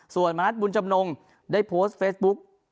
ส่วนมณัฐบุญจำนงได้โพสต์เฟซบุ๊ก